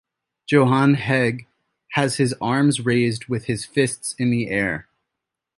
Johan Hegg has his arms raised with his fists in the air.